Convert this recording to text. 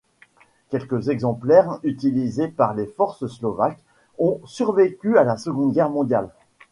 Quelques exemplaires, utilisés par les forces slovaques, ont survécu à la Seconde Guerre mondiale.